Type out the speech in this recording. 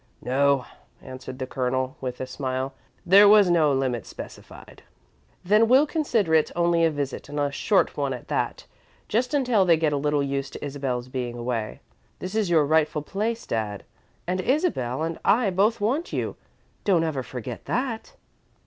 "No," answered the Colonel, with a smile; "there was no limit specified." "Then we'll consider it only a visit and a short one at that just until they get a little used to Isabel's being away. This is your rightful place, Dad, and Isabel and I both want you don't ever forget that!"